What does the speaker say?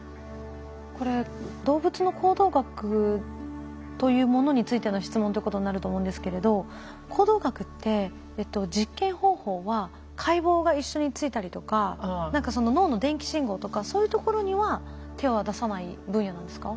これ動物の行動学というものについての質問ということになると思うんですけれど行動学って実験方法は解剖が一緒についたりとか何かその脳の電気信号とかそういうところには手は出さない分野なんですか？